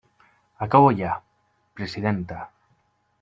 Acabo ja, presidenta.